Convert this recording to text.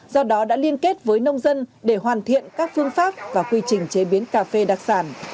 do đó đã liên kết với nông dân để hoàn thiện các phương pháp và quy trình chế biến cà phê đặc sản